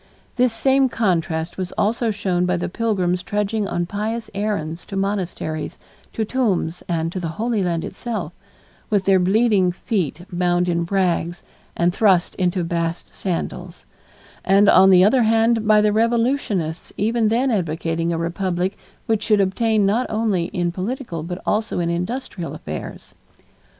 This same contrast was also shown by the pilgrims trudging on pious errands to monasteries, to tombs, and to the Holy Land itself, with their bleeding feet bound in rags and thrust into bast sandals, and, on the other hand, by the revolutionists even then advocating a Republic which should obtain not only in political but also in industrial affairs.